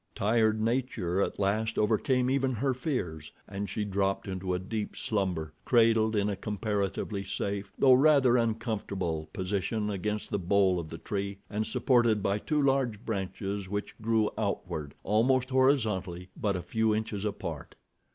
Tired nature at last overcame even her fears, and she dropped into a deep slumber, cradled in a comparatively safe, though rather uncomfortable, position against the bole of the tree, and supported by two large branches which grew outward, almost horizontally, but a few inches apart.